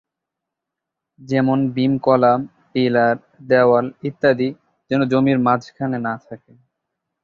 যেমন beam column, pillar, দেওয়াল ইত্যাদি যেন জমির মাঝখানে না থাকে।